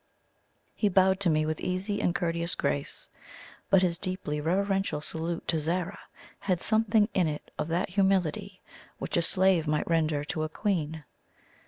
He bowed to me with easy and courteous grace; but his deeply reverential salute to Zara had something in it of that humility which a slave might render to a queen.